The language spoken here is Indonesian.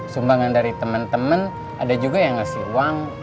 sumbangan dari temen temen ada juga yang ngasih uang